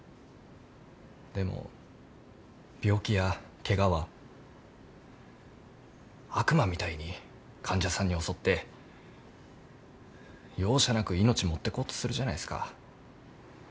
でも病気やケガは悪魔みたいに患者さんに襲って容赦なく命持ってこうとするじゃないですか。